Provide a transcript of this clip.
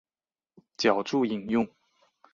脚注引用